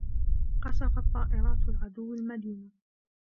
قصفت طائرات العدوّ المدينة.